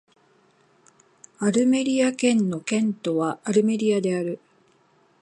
アルメリア県の県都はアルメリアである